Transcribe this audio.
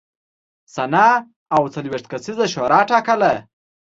سنا او څلوېښت کسیزه شورا ټاکله